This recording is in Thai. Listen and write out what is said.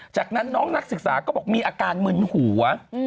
จากนั้นน้องนักศึกษาก็บอกมีอาการมึนหัว